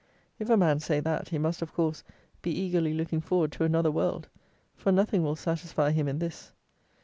If a man say that, he must, of course, be eagerly looking forward to another world; for nothing will satisfy him in this.